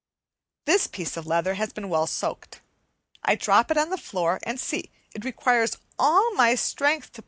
This piece of leather has been well soaked. I drop it on the floor and see! it requires all my strength to pull it up.